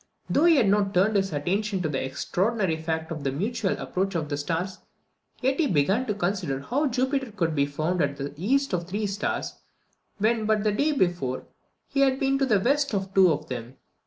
Though he had not turned his attention to the extraordinary fact of the mutual approach of the stars, yet he began to consider how Jupiter could be found to the east of the three stars, when but the day before he had been to the west of two of them.